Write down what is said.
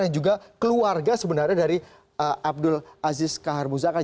dan juga keluarga sebenarnya dari abdul aziz kahar muzakar